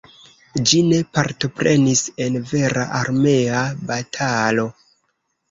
Ĝi ne partoprenis en vera armea batalo.